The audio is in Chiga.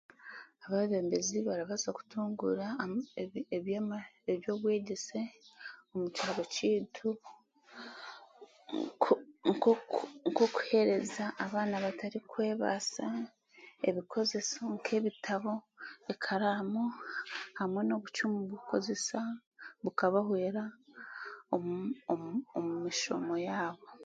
Abeebembezi barabaasa kutunguura eby'ama ebyobwegyese omu kyanga kyaitu nk'okuhereza abaana batarikwebaasa ebikozeso nk'ebitabo, ekaraamu, hamwe n'obucumu bw'okukozesa, bikabahwera omu mishomo yaabo.